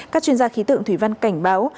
các chuyên gia khí tượng thủy văn cảnh báo